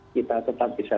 kita tetap bisa